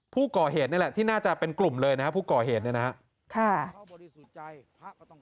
ผู้ก่อเหตุนี่แหละที่น่าจะเป็นกลุ่มเลยนะครับผู้ก่อเหตุเนี่ยนะครับ